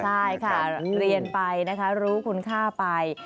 ใช่ค่ะเรียนไปนะคะรู้คุณค่าไป